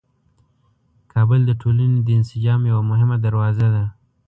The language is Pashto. کابل د ټولنې د انسجام یوه مهمه دروازه ده.